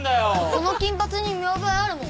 この金髪に見覚えあるもん。